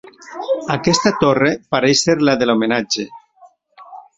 Aquesta torre pareix ser la de l'homenatge.